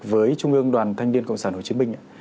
với trung ương đoàn thanh niên cộng sản hồ chí minh ạ